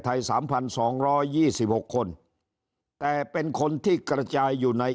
สามพันสองร้อยยี่สิบหกคนแต่เป็นคนที่กระจายอยู่ใน